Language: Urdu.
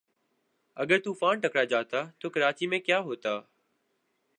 اگر طوفان ٹکرا جاتا تو کراچی میں کیا ہوتا